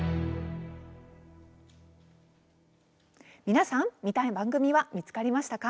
皆さん、見たい番組は見つかりましたか？